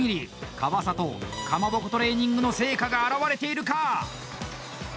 川里、カマボコトレーニングの成果が表れているか！